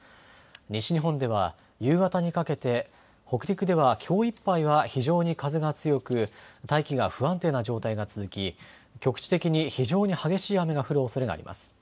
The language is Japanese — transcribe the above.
西日本では夕方にかけて、北陸ではきょういっぱいは非常に風が強く大気が不安定な状態が続き局地的に非常に激しい雨が降るおそれがあります。